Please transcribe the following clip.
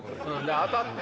当たって。